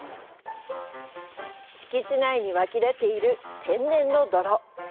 敷地内に湧き出ている天然の泥。